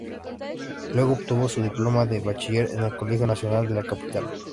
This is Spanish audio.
Luego obtuvo su diploma de bachiller en el Colegio Nacional de la Capital.